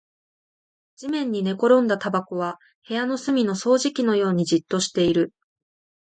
地面に寝転んだタバコは部屋の隅の掃除機のようにじっとしている